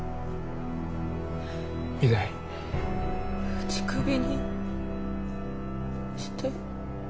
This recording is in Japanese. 打ち首にして。